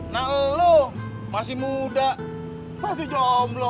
nah lo masih muda pasti jomblo